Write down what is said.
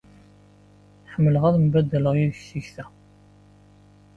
Ḥemmleɣ ad mbaddaleɣ yid-k tikta.